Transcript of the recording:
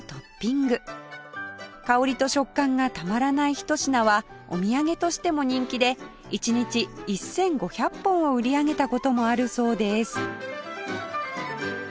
香りと食感がたまらないひと品はお土産としても人気で１日１５００本を売り上げた事もあるそうです